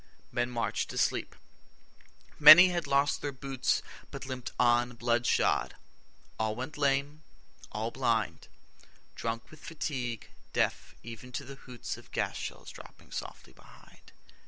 Men marched asleep. Many had lost their boots, But limped on, blood shod. All went lame, all blind; Drunk with fatigue; deaf even to the hoots Of gas shells dropping softly behind.